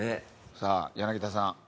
さあ柳田さん。